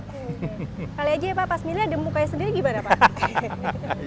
kali aja ya pak pas milih ada mukanya sendiri gimana pak